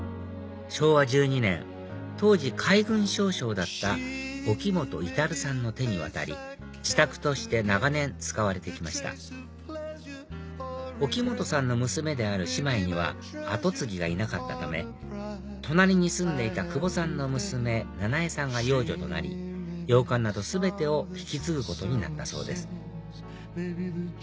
昭和１２年当時海軍少将だった沖本至さんの手に渡り自宅として長年使われて来ました沖本さんの娘である姉妹には後継ぎがいなかったため隣に住んでいた久保さんの娘七恵さんが養女となり洋館など全てを引き継ぐことになったそうです